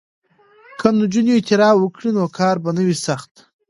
که نجونې اختراع وکړي نو کار به نه وي سخت.